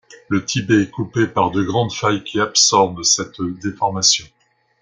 Le Tibet est coupé par de grandes failles qui absorbent cette déformation.